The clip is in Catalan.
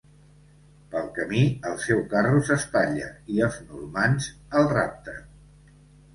Pel camí, el seu carro s'espatlla i els normands el rapten.